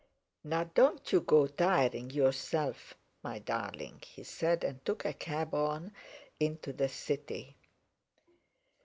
"Now, don't you go tiring yourself, my darling," he said, and took a cab on into the city.